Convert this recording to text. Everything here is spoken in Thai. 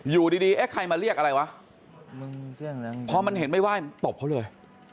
อยู่ดีเอ๊ะใครมาเรียกอะไรวะพอมันเห็นไม่ไหว้มันตบเขาเลย